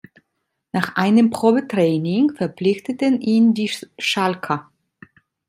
Nach einem Probetraining verpflichteten ihn die Schalker.